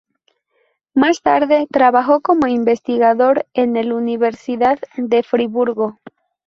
Más tarde, trabajó como investigador en el Universidad de Friburgo.